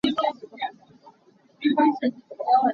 Amah te hna nih cun a ka hleng kho lai lo.